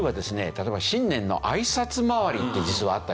例えば新年の挨拶回りって実はあったりする。